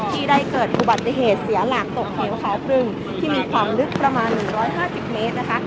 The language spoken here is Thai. ที่ได้เกิดอุบัติเหตุเสียหลักตกเหวเขาพรึงที่มีความลึกประมาณ๑๕๐เมตรนะคะ